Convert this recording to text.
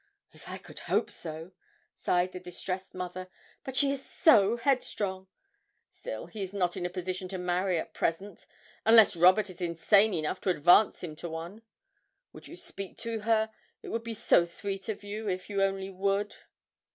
'If I could hope so!' sighed the distressed mother, 'but she is so headstrong. Still, he's not in a position to marry at present unless Robert is insane enough to advance him to one. Would you speak to her? It would be so sweet of you if you only would!'